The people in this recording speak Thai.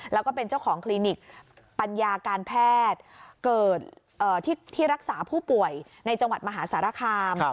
แล้วก็เป็นเจ้าของคลินิกปัญญาการแพทย์เกิดที่รักษาผู้ป่วยในจังหวัดมหาสารคาม